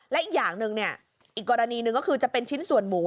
และอีกอย่างหนึ่งอีกกรณีหนึ่งก็คือจะเป็นชิ้นส่วนหมู